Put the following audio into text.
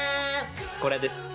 これです。